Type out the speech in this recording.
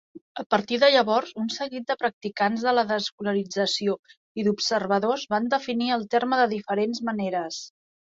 A partir de llavors, un seguit de practicants de la desescolarització i d'observadors van definir el terme de diferents maneres.